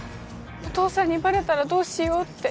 お父さんにバレたらどうしようって